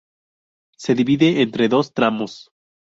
Se divide entre dos tramos.